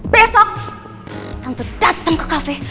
besok tante dateng ke cafe